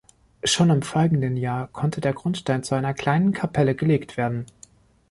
Schon im folgenden Jahr konnte der Grundstein zu einer kleinen Kapelle gelegt werden.